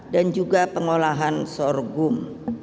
dan juga pengolahan sorghum